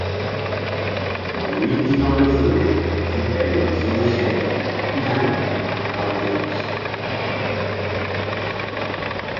El vint-i-nou de febrer en Peris i na Xènia iran a Alins.